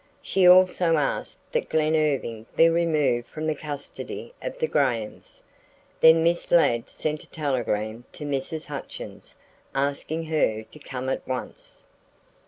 She also asked that Glen Irving be removed from the custody of the Grahams. Then Miss Ladd sent a telegram to Mrs. Hutchins asking her to "come at once."